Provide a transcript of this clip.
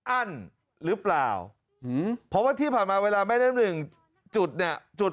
อั้นหรือเปล่าเพราะว่าที่ผ่านมาเวลาแม่น้ำหนึ่งจุดเนี่ยจุด